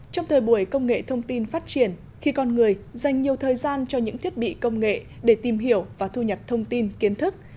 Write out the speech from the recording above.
trong thời buổi công nghệ thông tin phát triển khi con người dành nhiều thời gian cho những thiết bị công nghệ để tìm hiểu và thu nhập thông tin kiến thức